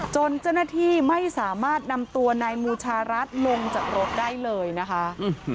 จนเจ้าหน้าที่ไม่สามารถนำตัวนายมูชารัฐลงจากรถได้เลยนะคะ